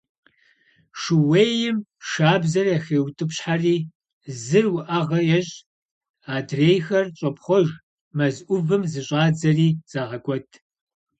Шууейм шабзэр яхеутӀыпщхьэри зыр уӀэгъэ ещӀ, адрейхэр щӀопхъуэж, мэз Ӏувым зыщӀадзэри, загъэкӀуэд.